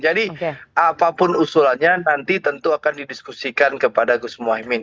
jadi apapun usulannya nanti tentu akan didiskusikan kepada gus muhaymin